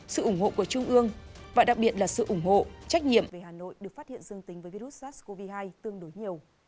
sự ủng hộ của trung ương và đặc biệt là sự ủng hộ trách nhiệm về hà nội được phát hiện dương tính với virus sars cov hai tương đối nhiều